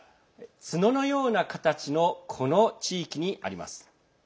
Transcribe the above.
角のような形のこの地域にあります。